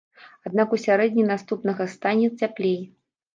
Аднак у сярэдзіне наступнага стане цяплей.